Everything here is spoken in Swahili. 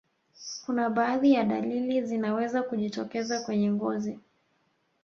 kuna baadhi ya dalili zinaweza kujitokeza kwenye ngozi